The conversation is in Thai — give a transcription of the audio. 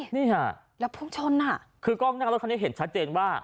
นี่ค่ะแล้วพุ่งชนอ่ะคือกล้องหน้ารถคันนี้เห็นชัดเจนว่า